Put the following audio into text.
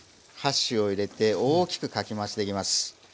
箸を入れて大きくかき回していきます。